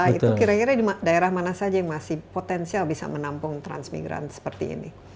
itu kira kira di daerah mana saja yang masih potensial bisa menampung transmigran seperti ini